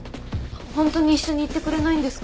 本当に一緒に行ってくれないんですか？